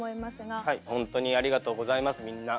本当にありがとうございますみんな。